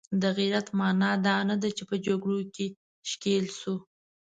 د غیرت معنا دا نه ده چې په جګړو کې ښکیل شو.